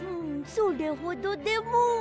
それほどでも。